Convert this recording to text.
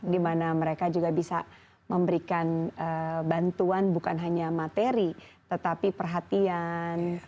dimana mereka juga bisa memberikan bantuan bukan hanya materi tetapi perhatian